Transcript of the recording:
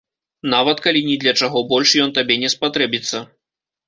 Нават калі ні для чаго больш ён табе не спатрэбіцца.